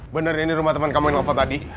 bener ini rumah temen kamu yang ngopot tadi